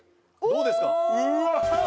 どうですか？